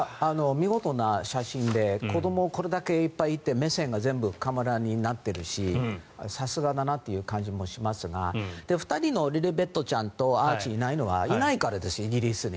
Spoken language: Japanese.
見事な写真で子ども、これだけいっぱいいて目線が全部カメラになってるしさすがだなという感じもしますが２人の、リリベットちゃんとアーチーがいないのはいないからです、イギリスに。